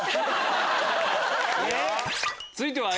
続いては。